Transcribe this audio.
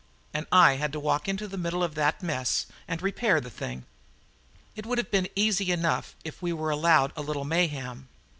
And I had to walk into the middle of that mess and repair the thing. It would have been easy enough if we were allowed a little mayhem.